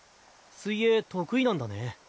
水泳得意なんだね。